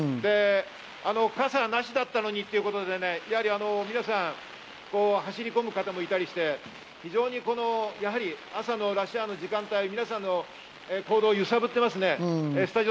傘なしだったのにということで走り込む方もいたりして、非常に朝のラッシュアワーの時間帯、皆さんの行動を揺さぶっています。